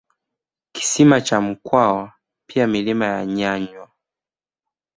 Kisima cha Mkwawa pia milima ya Nyanywa